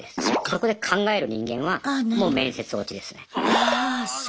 そこで考える人間はもう面接落ちですね。